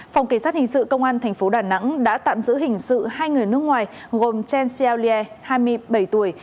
phòng kỳ sát hình sự công an tp đà nẵng đã tạm giữ hình sự hai người nước ngoài gồm chen xiaolie hai mươi bảy tuổi